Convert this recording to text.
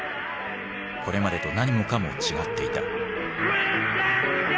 これまでと何もかも違っていた。